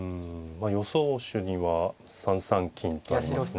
あ予想手には３三金とありますね。